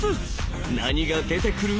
何が出てくる？